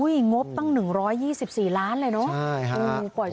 อุ๊ยงบตั้ง๑๒๔ล้านบาทเลยเนอะ